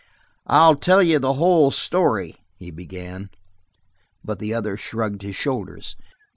"I'll tell you the whole story," he began. But the other shrugged his shoulders.